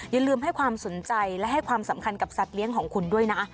อย่าลืมให้ความสนใจและให้ความสำคัญกับสัตว์เลี้ยงของคุณด้วยนะ